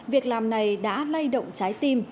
việc làm này đã lây động trái tim